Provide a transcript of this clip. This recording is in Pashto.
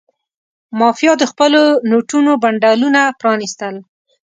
مافیا د خپلو نوټونو بنډلونه پرانستل.